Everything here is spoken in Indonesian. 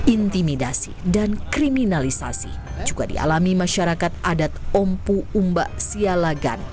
intimidasi dan kriminalisasi juga dialami masyarakat adat ompu umbak sialagan